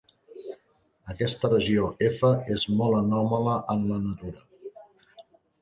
Aquesta regió F és molt anòmala en la natura.